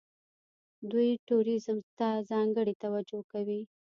دوی ټوریزم ته ځانګړې توجه کوي.